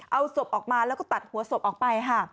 เอาศพออกมาแล้วก็ตัดหัวศพออกไปค่ะ